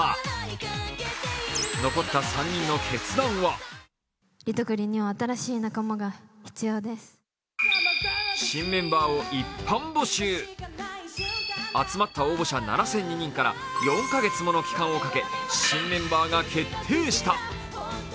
残った３人の決断は集まった応募者７００２人から４か月もの期間をかけ、新メンバーが決定した。